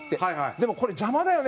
でも、これ邪魔だよね